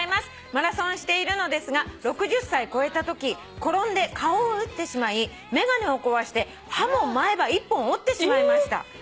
「マラソンしているのですが６０歳超えたとき転んで顔を打ってしまい眼鏡を壊して歯も前歯１本折ってしまいました」